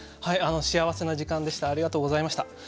はい幸せな時間でした。